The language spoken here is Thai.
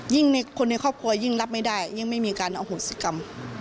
ในคนในครอบครัวยิ่งรับไม่ได้ยิ่งไม่มีการอโหสิกรรม